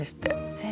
先生